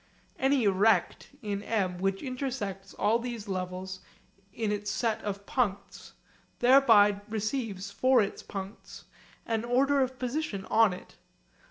Any rect in M which intersects all these levels in its set of puncts, thereby receives for its puncts an order of position on it.